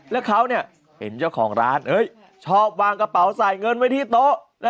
แล้วเขาเห็นเจ้าของร้านชอบวางกระเป๋าใส่เงินไว้ที่โต๊ะ